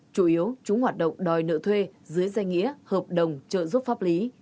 chủ yếu chúng hoạt động đòi nợ thuê dưới danh nghĩa hợp đồng trợ giúp pháp lý